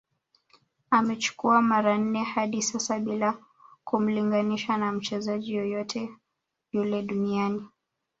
Amechukua mara nne hadi sasa Bila kumlinganisha na mchezaji yoyote yule duniani